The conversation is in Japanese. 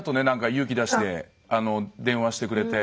勇気出して電話してくれて。